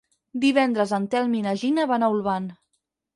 Divendres en Telm i na Gina van a Olvan.